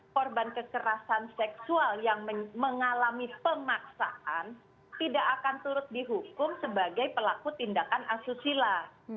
korban kekerasan seksual yang mengalami pemaksaan tidak akan turut dihukum sebagai pelaku tindakan asusila